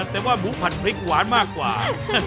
แต่ว่าหมูผัดพริกหวานมากกว่า